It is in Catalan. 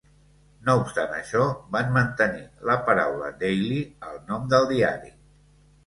No obstant això, van mantenir la paraula "Daily" al nom del diari.